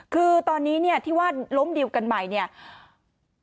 คือตอนนี้ที่ว่าล้มดิวกันใหม่